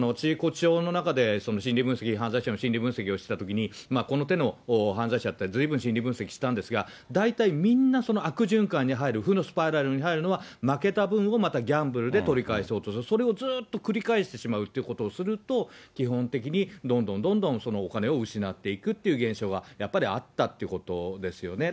の中で、心理分析、犯罪者の心理分析をしたとき、この手の犯罪者って、ずいぶん心理分析したんですが、大体みんなその悪循環に入る、負のスパイラルに入るのは、負けた分をまたギャンブルで取り返そうとする、それをずっと繰り返してしまうということをすると、基本的にどんどんどんどんそのお金を失っていくという現象がやっぱりあったということですよね。